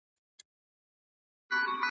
تاریخ او شعور جبهه ده.